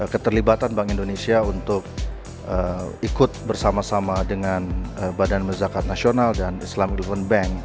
keterlibatan bank indonesia untuk ikut bersama sama dengan badan merzakat nasional dan islamic even bank